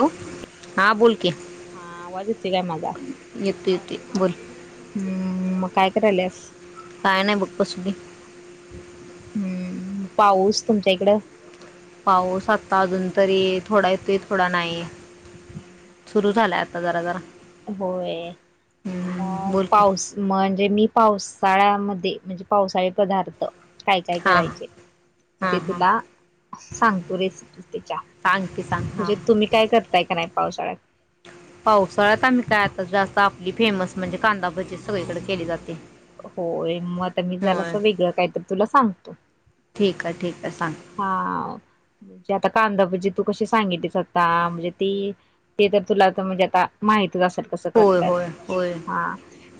Hello, हा, आवाज येतय काय माझा? येतय येतय बोल. हम्म, मग काय करायल्यास? काय नाय बग बसलोय. हम्म, पाऊस तुमच्या इकडं? पाऊस आता अजून तरी थोडा येतोय थोडा नाही. हम, सुरू झालाय आता जरा जरा. होय हम्म, मग बोल की पाऊस. म्हणजे मी पावसाळ्यामध्ये म्हणजे पावसाळी पदार्थ. काय काय हां करायचे हां ते हां तुला सांगतो रेसिपी त्याच्या. सांग कि सांग हा. म्हणजे तुम्ही काय करताय का नाही पावसाळ्यात? पावसाळ्यात आमी काय आता जास्त आपली फेमस, म्हणजे कांदा भजीच सगळीकडे केली जाते. होय, मग आता मी झाला होय जरासं वेगळं काय तर तुला सांगतो. ठीक आहे ठीक आहे सांग. हा, म्हणजे आता कांदाभजी तू कशी सांगितलीस आता म्हणजे ती. ते तर तुला म्हणजे आता माहितच असेल कसं होय करत्यात होय होय हा.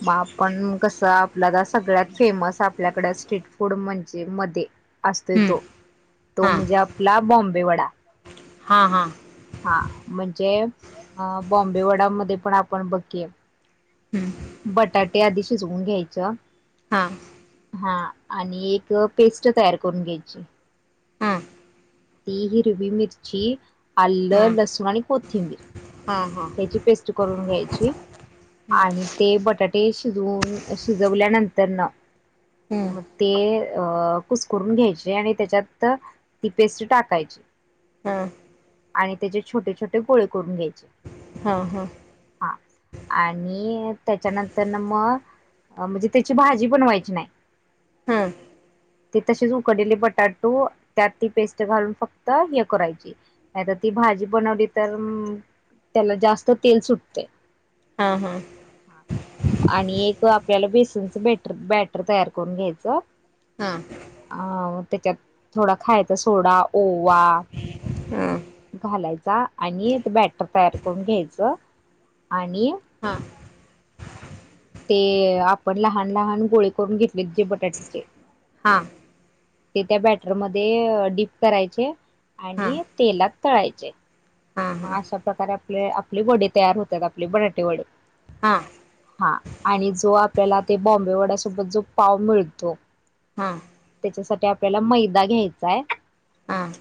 मग आपण कसं आपल्याला सगळ्यात फेमस आपल्याकडे स्ट्रीट फूड म्हणजे मध्ये. असतोय हम्म, तो तो हां म्हणजे आपला बॉम्बे वडा. हां हां हा, म्हणजे बॉम्बे वडामध्ये पण आपण बघ की, हम्म, बटाटे आधी शिजवून घ्यायचं. हा, हा, आणि एक पेस्ट तयार करून घ्यायची. हा. ती, हिरवी मिरची, आलं, हां लसूण आणि कोथिंबीर. हां हां ह्याची पेस्ट करून घ्यायची, हम्म, आणिऽ ते बटाटे शिजवून, शिजवल्यानंतर न, हम्म, मग ते. अ कुसकरून घ्यायचे, आणि त्याच्यात ती पेस्ट टाकायची. हा, आणि त्याचे छोटे छोटे गोळे करून घ्यायचे. हां हां, हा, आणि त्याच्यानंतर ना मग. म्हणजे त्याची भाजी बनवायची नाही. ह्मम, ते तसेच उकडलेले बटाटु, त्यात ती पेस्ट घालून फक्त, हे करायची. नाहीतर ती भाजी बनवली तर. त्याला जास्त तेल सुटतय. हा हा हा. आणि एक आपल्याला बेसनच बॅटर बॅटर तयार करून घ्यायचं. हां अ त्याच्यात थोडा खायचा सोडा ओवा. हां घालायचा आणि ते बॅटर तयार करून घ्यायचं आणि हा. ते आपण लहान लहान गोळे करून घेतले जे बटाट्याचे. हां. ते त्या बॅटरमध्ये डीप करायचे, हां आणि तेलात तळायचे. हां हां मग अशा प्रकारे आपले, आपली वडे तयार होतात आपले बटाटे वडे. हा हा आणि जो आपल्याला ते बॉम्बे वड्यासोबत जो पाव मिळतो. हा. त्याच्यासाठी आपल्याला मैदा घ्यायचाय. हां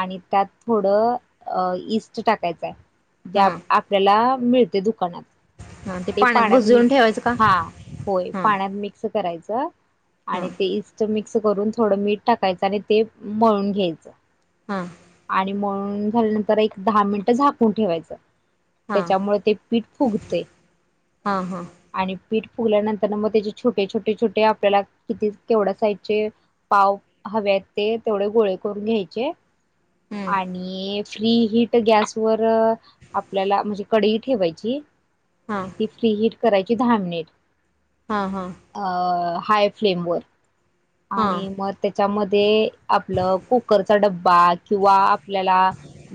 आणि त्यात थोडं अ इस्ट टाकायचा आहे जे हां आपल्याला मिळते दुकानात हां ते पाण्यात मी बुजवून ठेवायचं का हा होय हां पाहण्यात मी. करायचं आणि हां ते इस् मिक्स करून थोडं मीठ. टाकायच आणि ते मळून घ्यायचं. हा. आणि म्हून झाल्यानंतर एक दहा मिनिट झाकून ठेवायचं हां त्याच्यामुळे ते. पीठ फुगते. हा हा. आणि पीठ फुगल्यानंतर मग त्याचे छोटे छोटे छोटे आपल्याला किती केवढ्या साईजचे पाव हव्यात ते तेवढे गोळे करून घ्यायचे. हं आणि फ्री हिट गॅसवरर. आपल्याला म्हणजे कडई ठेवायची. हां आणि ती फ्री हट करायची दहा मिनिट. हा हा. अ, हाय फ्लेमवर. हां आणि मग त्याच्यामध्ये, आपलं कुकरचा डब्बा. किंवा आपल्याला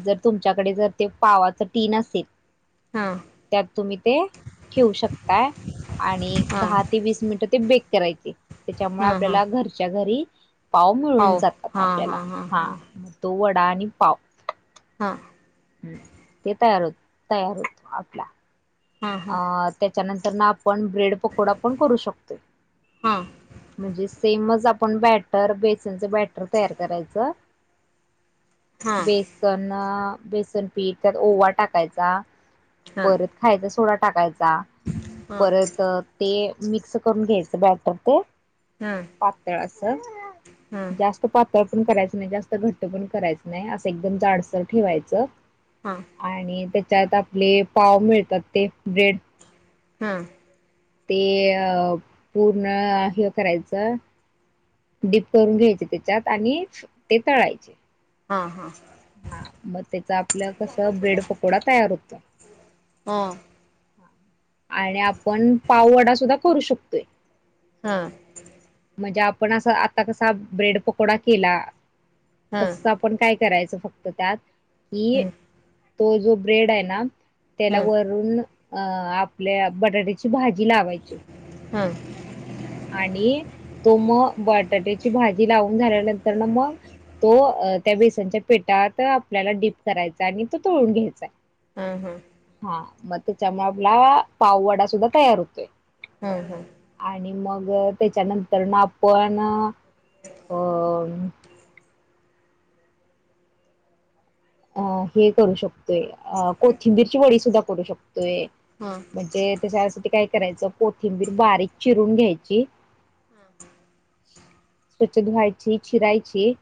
जर तुमच्याकडे जर, ते पावाच टीन असेल. हां. त्यात तुम्ही ते, ठेवू शकताय. आणि दहा ते वीस मिनिटं, ते बेक करायचे. त्याच्यामुळे हां हां आपल्याला घरच्या घरी पाव मिळून जातात हां आपल्याला. हां हां हा. तो वडा आणि पाव. हा. हम्. ते तयार होत, तयार होत, आपला. हां हां अ त्याच्यानंतर ना, आपण ब्रेड पकोडा पण करू शकतोय. हां हां म्हणजे सेमच आपण बॅटर, बेसनचं बॅटर तयार करायचं. हां हां बेसन अ बेसन पीठ, त्यात ओवा टाकायचा. परत खायचा सोडा टाकायचा. हां हां परत अ ते मिक्स करून घ्यायचं. बॅटर ते हां हां हां हां हां हां पातळ असं. हां जास्त पातळ पण करायच नाही. जास्त घट्ट पण करायचं नाही. असं एकदम जाडसर ठेवायचं. हा. आणि त्याच्यात आपले, पाव मिळतात ते. ब्रेड. हा. ते अ पूर्ण हे करायचं. डीप करून घ्यायचे, त्याच्यात. आणि ते तळायचे. हा, हा. हा मग त्याच आपलं कस, ब्रेड पकोडा तयार होत. हां आणि आपण, पाववडा सुद्धा करू शकतोय. हा. म्हणजे आपण असा, आता कसा ब्रेड पकोडा केला. तसा. पण काय करायचं फक्त त्यात. कि, तो जो ब्रेडाय ना त्याला वरून, अ आपल्या बटाट्याची भाजी लावायची. हा. आणि तो म बटाट्याची भाजी, लावून झाल्यानंतरन मग तो. त्या बेसनच्या पेटात, आपल्याला डीप करायचा. आणि तो तळून घ्यायचाय. हा, हा. हा मग त्याच्यामुळे आपला, पाव वडा सुद्धा तयार होतोय. ह, ह. आणि मग त्याच्यानंतरन आपण, अ अ हे करू शकतोय. अ कोथिंबीरची वडी सुद्धा शकतोय. हा. म्हणजे त्याच्यासाठी काय करायचं? कोथिंबीर बारीक चिरून घ्यायची. हा, हा. स्वच्छ धुवायची, चिरायची.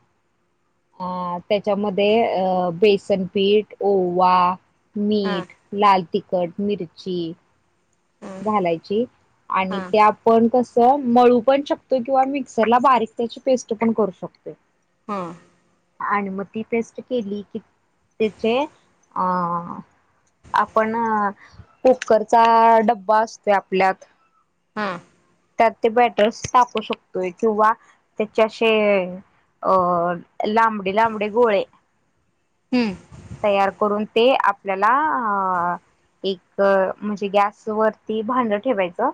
आ त्याच्यामध्ये अ बेसन पीठ, ओवा, मीठ, लाल तिखट, मिरची घालायची. आणि हां त्या पण कसं, मळू पण शकतोय. किंवा मिक्सरला, बारीक त्याची पेस्ट पण करू शकतोय. हा. आणि मग ती पेस्ट केली की त्याचे अ आपण कुकरचा डब्बा असतोय आपल्यात. हम्मं. त्यात ते बॅटर्स तापू शकतोय किंवा त्याचे असे अ लांबडे लांबडे गोळे हम्म. तयार करून ते आपल्याला अ एक म्हणजे गॅस वरती भांड ठेवायचं.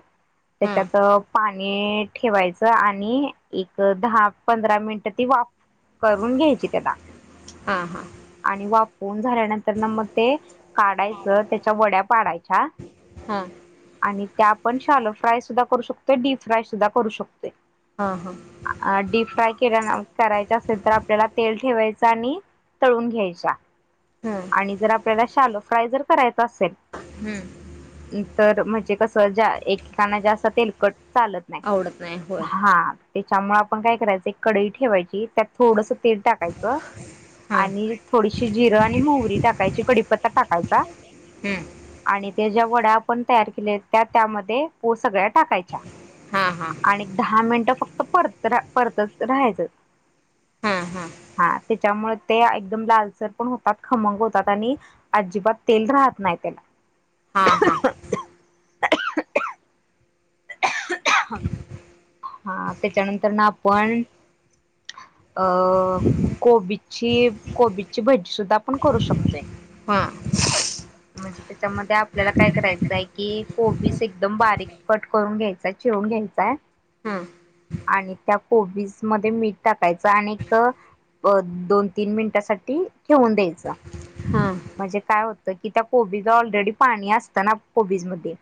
हां त्यात पाणी ठेवायचं आणि एक दहा पंधरा मिनिट ती वाफ करून घ्यायची त्याला. हां-हां. आणि वाफवून झाल्यानंतर ना मग ते काढायचं त्याच्या वड्या पाडायच्या हा आणि त्या आपण शालू फ्राय सुद्धा करू शकतोय डीप फ्राय सुद्धा करू शकतोय. हा-हा. अ डीप फ्राय केल्या करायच्या असेल तर आपल्याला तेल ठेवायचं आणि तळून घ्यायच्या हां आणि जर आपल्याला शालो फ्राय जर करायचा असेल. हम्म. तर म्हणजे कस ज्या एकेकाना ज असत तेलकट चालत नही आवडत नाही होय हा. त्याच्यामुळे आपण काय करायचं एक कडई ठेवायची त्यात थोडस तेल टाकायचं हां आणि थोडीशी जिरं आणि मोहरी टाकायची कडीपत्ता टाकायचा हम्म. आणि ते ज्या वड्या आपण तयार केल्या त्या त्यामध्ये पो सगळ्या टाकायच्या. हां हां आणि ऐक दहा मिनिटं फक्त परत परतच राहायचं. हम्म-हम्म. हा त्याच्यामुळे ते एकदम लालसर पण होतात खमंग होतात आणि अजिबात तेल राहत नाही त्याला. हा-हा. हा त्याच्यानंतर ना आपण अ कोबीची-कोबीची भजी सुद्धा आपण करू शकतोय. हम्म. म्हणजे ते त्याच्यामध्ये आपल्याला काय करायचंय की कोबीस एकदम बारीक कट करून घ्यायचाय चिरून घ्यायचाय. हम्म. आणि त्या कोबीज मध्ये मीठ टाकायचं आणि क अ दोन तीन मिनिटासाठी ठेवून द्यायचं हां हां हां म्हणजे काय होत. त कि त्या कोबी ऑलरेडी पाणी असतं ना कोबीज मध्ये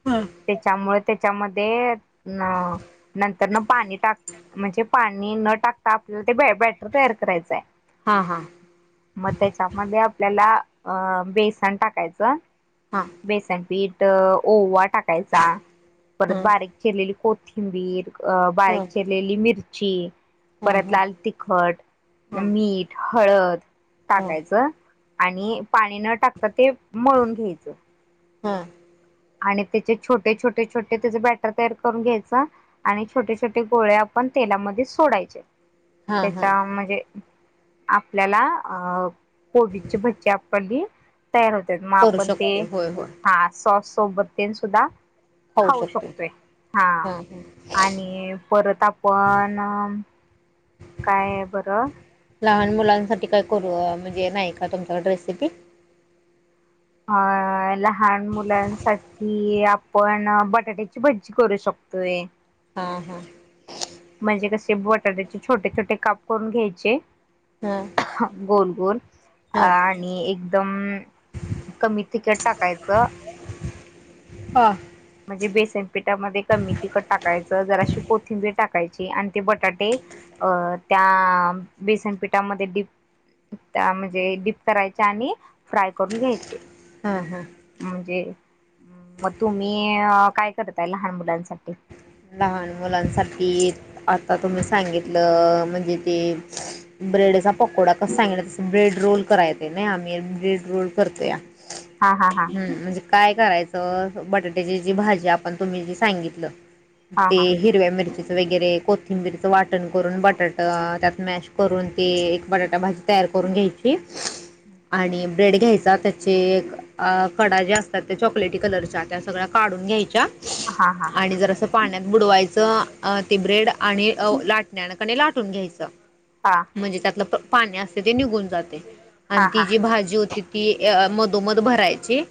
हां त्याच्यामुळे त्याच्यामध्ये अ नंतर न पाणी टाक म्हणजे पाणी न टाकता आपल्याला ते ब बॅटर तयार करायचंय. हा-हा. मग त्याच्यामध्ये आपल्याला अ बेसन टाकायचं. हां. बेसनपीठ ओवा टाकायचा परत बारीक चिरलेली कोथिंबीर अ बारीक चिरलेली मिरची परत लाल तिखट मीठ, हळद टाकायचं आणि पाणी न टाकता ते मळून घ्यायचं. हा. आणि त्याचे छोटे छोटे छोटे त्याचे बॅटर तयार करून घ्यायचा आणि छोटे छोटे गोळे आपण तेलामध्ये सोडायचे. हां हां हां त्याचा म्हणजे आपल्याला अ कोबीची भज्जी आपली तयार होत्यात मग करू आपण ते शकते होय होय हा सॉस सोबत तेन सुद्धा खाऊ शकतोय हा हां हां आणि परत आपण काय बरं लहान मुलांसाठी काय करू म्हणजे नाही का तुमच्याकडे रेसिपी? हा. लहान मुलांसाठी आपण बटाट्याची भजी करू शकतोय. हा हा. म्हणजे कसे बटाट्याचे छोटे छोटे काप करून घ्यायचे, हां गोल गोल हां आणि एकदम कमी तिकट टाकायचं. ह. म्हणजे बेसनपीठामध्ये कमी तिखट टाकायचं, जराशी कोथिंबीर टाकायची आणि ते बटाटे अ त्या बेसनपिठामध्ये डीप त्यामध्ये डीप करायचे आणि फ्राय करून घ्यायचे. ह् हा म्हणजे मग तुम्ही काय करताय लहान मुलांसाठी? लहान मुलांसाठी आता तुम्ही सांगितलं म्हणजे ते ब्रेडचा पकोडा कसा सांगीतला तस ब्रेड रोल करायच नाही आम्ही ब्रेड रोल करतोया. हा हा हा हम् म्हणजे काय करायचं बटाट्याची जी भाजी आपण तुम्ही जी सांगितलं हा ते हिर हिरव्या मिरचीच वगैरे कोथिंबीरचं वाटण करून बटाट त्यात मॅश करून ते एक बटाटा भाजी तयार करून घ्यायची आणि ब्रेड घ्यायचा त्याचे एक अ कडा ज्या असतात त्या चॉकलेटी कलरच्या त्या सगळ्या काढून घ्यायच्या. हा हा. आणि जरासं पाण्यात बुडवायचं अ ते ब्रेड आणि लाटण्याकडे लाटून घ्यायचं. हां म्हणजे त्यातलं पाणी असतंय ते निघून जातंय हा आणि ती हा जी भाजी होती ती मधोमध भरायची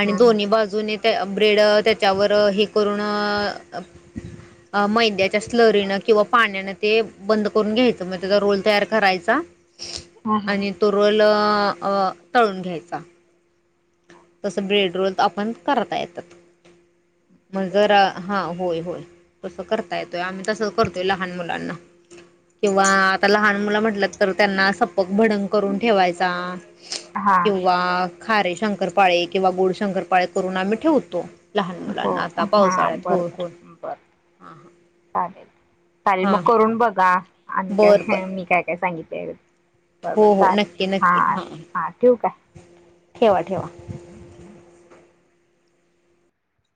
आणि हम्म दोन्ही बाजूने त्या ब्रेड त्याच्यावर हे करून मैद्याच्या स्लरीनं किंवा पाण्यानं ते बंद करून घ्यायचं मग त्याचा रोल तयार करायचा. हम्म हम्म आणि तो रोल तळून घ्यायचा. तसं ब्रेड रोल आपण करता येतात. मग गरा हा होय होय. तसं करता येतोय आम्ही तसंच करतोय लहान मुलांना, किंवा आता लहान मुलं म्हटल तर त्यांना सपक भडंग करून ठेवायचा. हम्म हा किंवा खारे शंकरपाळे किंवा गोड शंकरपाळे करून आम्ही ठेवतो. लहान मुलांना आता पावसाळ्यात होळ होळ बर.. चालेल, चालेल मग हा करून बघा. आणि बर बर काय मी काय-काय सांगितल्यालं. हो, हो. नक्की, नक्की हा हां ठेवू काय ठेवा, ठेवा.